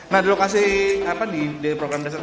nah dulu kasih apa di program dasarnya